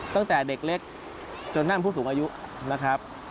ตั้งแต่เด็กเล็กจนท่านผู้สูงอายุนะครับ